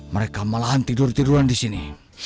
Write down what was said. mereka malahan tidur tiduran disini